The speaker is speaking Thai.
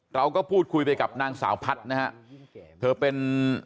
เราก็พูดคุยไปกับนางสาวพัฒน์นะฮะเธอเป็น